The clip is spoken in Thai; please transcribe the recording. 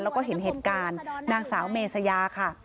แล้วก็เห็นเหตุการณ์นางสาวเมษยาค่ะ